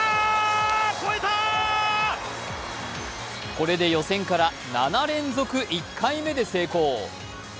これで予選から７連続１回目で成功。